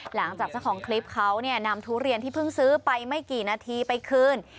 หลังจากเจ้าของคลิปเขานำทุเรียนที่เพิ่งซื้อไปไม่กี่นาทีไปคืน